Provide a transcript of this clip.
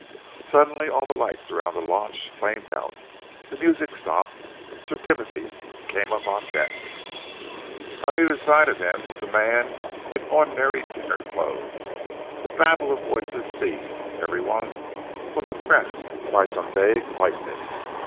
Suddenly all the lights around the launch flamed out, the music stopped. Sir Timothy came up on deck. On either side of him was a man in ordinary dinner clothes. The babel of voices ceased. Everyone was oppressed by some vague likeness.